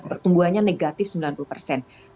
pertumbuhannya negatif sembilan puluh persen